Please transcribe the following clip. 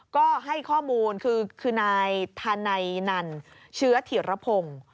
ก็ให้ข้อมูลคือคือนายทานัยนั่นเชื้อถิดระพง